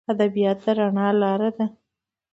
ادبیات د رڼا لار ده.